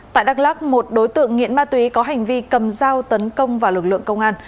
tại đắk lắc một đối tượng nghiện ma túy có hành vi cầm dao tấn công vào lực lượng công an